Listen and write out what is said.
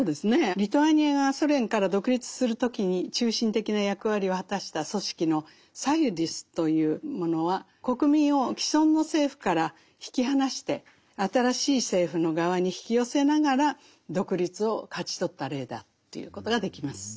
リトアニアがソ連から独立する時に中心的な役割を果たした組織のサユディスというものは国民を既存の政府から引き離して新しい政府の側に引き寄せながら独立を勝ち取った例だと言うことができます。